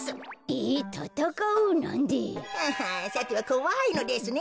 さてはこわいのですね